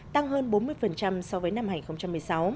tăng hơn bốn mươi so với năm hai nghìn một mươi sáu